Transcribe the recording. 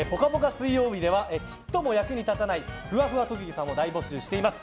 水曜日ではちっとも役に立たないふわふわ特技さんを大募集しています。